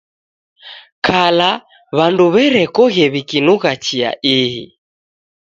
Kala w'andu w'erekoghe w'ikinugha chia ihi